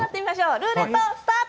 ルーレットスタート！